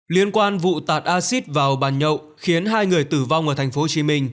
liên quan vụ tạt acid vào bàn nhậu khiến hai người tử vong ở tp hcm